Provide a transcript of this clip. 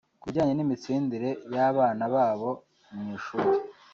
ku bijyanye n’imitsindire y’abana babo mu ishuri